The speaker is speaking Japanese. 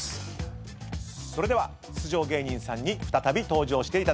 それでは出場芸人さんに再び登場していただきましょう。